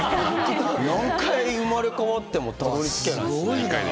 何回生まれ変わってもたどり着けないですね。